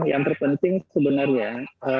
yang terpenting sebenarnya